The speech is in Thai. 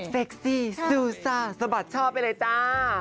เซ็กซี่ซูซ่าสบัดชอบไปเลยจ้า